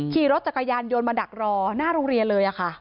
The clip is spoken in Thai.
ขี่รถจักรยานยนต์มาดักรอหน้าโรงเรียนเลยค่ะ